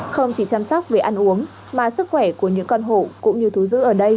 không chỉ chăm sóc về ăn uống mà sức khỏe của những con hổ cũng như thú giữ ở đây luôn được đảm bảo